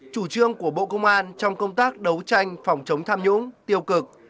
chủ trương của bộ công an trong công tác đấu tranh phòng chống tham nhũng tiêu cực